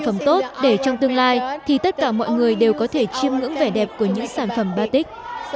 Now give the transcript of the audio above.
phẩm tốt để trong tương lai thì tất cả mọi người đều có thể chiêm ngưỡng vẻ đẹp của những sản phẩm batic